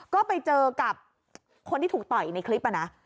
ก็ไปเจอกับคนที่ถูกต่อยในคลิปนะ